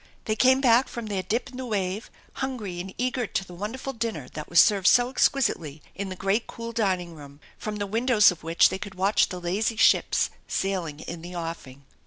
They came back from their dip in the wave,., hungry and eager, to the wonderful dinner that was served so exquisitely in the great cool dining room, from the windows of which they could watch the lazy ships sailing in the offing.